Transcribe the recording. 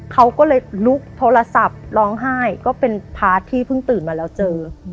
เขาก็เลยลุกโทรศัพท์ร้องไห้ก็เป็นพาร์ทที่เพิ่งตื่นมาแล้วเจอ